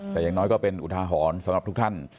แต่อย่างน้อยก็เป็นอุทาหรณ์สำหรับทุกท่าน